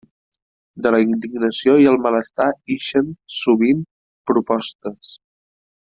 De la indignació i el malestar ixen, sovint, propostes.